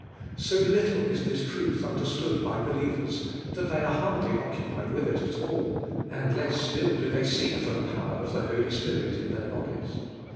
So little is this truth un derstood by believers that they are 'hard ly occupied with it at all; and less still do they seek for the power of the Holy Spirit in their bodies.